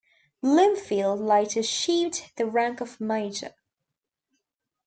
Bloomfield later achieved the rank of major.